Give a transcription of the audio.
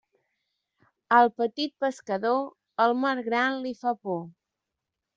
Al petit pescador, el mar gran li fa por.